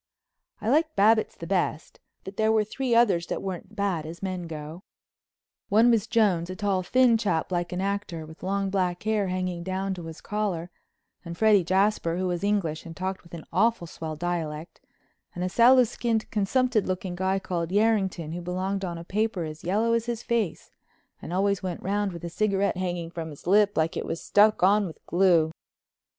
I liked Babbitts the best, but there were three others that weren't bad as men go. One was Jones, a tall thin chap like an actor, with long black hair hanging down to his collar, and Freddy Jasper, who was English and talked with an awful swell dialect, and a sallow skinned, consumpted looking guy called Yerrington who belonged on a paper as yellow as his face and always went round with a cigarette hanging from his lip like it was stuck on with glue.